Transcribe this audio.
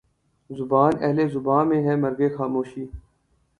زبانِ اہلِ زباں میں ہے مرگِ خاموشی